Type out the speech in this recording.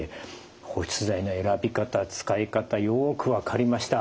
保湿剤の選び方使い方よく分かりました。